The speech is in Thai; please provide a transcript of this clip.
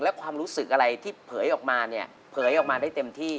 และความรู้สึกอะไรที่เผยออกมาเนี่ยเผยออกมาได้เต็มที่